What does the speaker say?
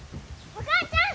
お母ちゃん！